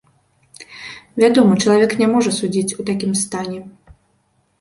Вядома, чалавек не можа судзіць у такім стане.